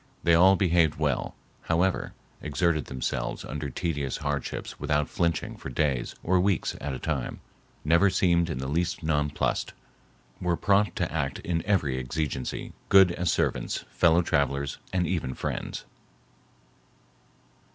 They all behaved well, however, exerted themselves under tedious hardships without flinching for days or weeks at a time; never seemed in the least nonplussed; were prompt to act in every exigency; good as servants, fellow travelers, and even friends.